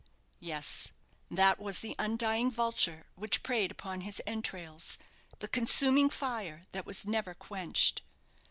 Yes; that was the undying vulture which preyed upon his entrails the consuming fire that was never quenched.